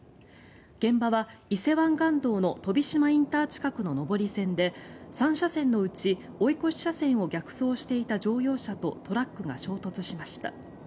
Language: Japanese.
現場は伊勢湾岸道の飛島ＩＣ近くの上り線で３車線のうち、追い越し車線を逆走していた乗用車とトラックが衝突しました。